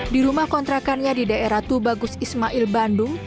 di rumah kontrakannya di daerah tubagus ismail bandung